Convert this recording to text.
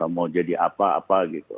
mau jadi apa apa gitu